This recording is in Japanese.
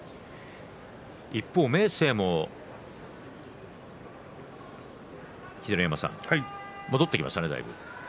一方、明生も、秀ノ山さん戻ってきましたね。